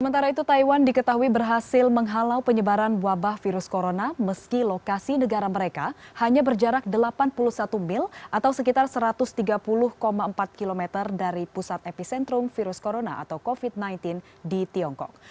sementara itu taiwan diketahui berhasil menghalau penyebaran wabah virus corona meski lokasi negara mereka hanya berjarak delapan puluh satu mil atau sekitar satu ratus tiga puluh empat km dari pusat epicentrum virus corona atau covid sembilan belas di tiongkok